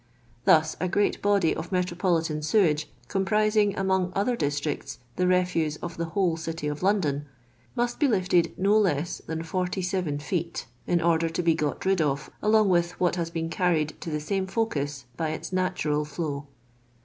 Thus a great body of me tropolitan sewage, comprising among other districts the refuse of the whole City of London, must be lifted no less than 47 feet, in order to be got rid of along with what has been carried to the same focus by its natural flow.